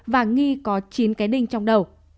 và nghi có chín cái đinh trong đầu